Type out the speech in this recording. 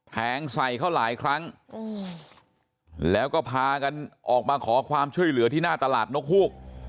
แทงใส่เขาหลายครั้งแล้วก็พากันออกมาขอความช่วยเหลือที่หน้าตลาดนกฮูก